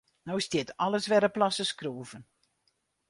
No stiet alles wer op losse skroeven.